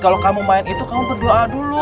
kalau kamu main itu kamu berdoa dulu